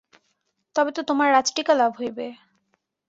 তবে তো তোমার রাজটিকা লাভ হইবে।